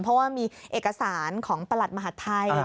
เพราะว่ามีเอกสารของประหลัดมหาดไทย